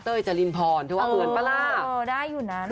ได้อยู่น่า